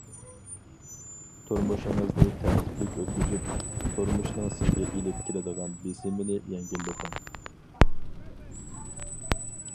تۇرمۇشىڭىزنى تەرتىپلىك ئۆتكۈزۈپ، تۇرمۇشنىڭ سىزگە ئېلىپ كېلىدىغان بېسىمىنى يەڭگىللىتىڭ.